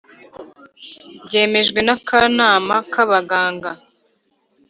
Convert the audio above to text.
byemejwe n akanama k abaganga